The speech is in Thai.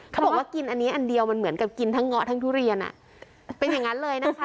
เขาบอกว่ากินอันนี้อันเดียวมันเหมือนกับกินทั้งเงาะทั้งทุเรียนอ่ะเป็นอย่างนั้นเลยนะคะ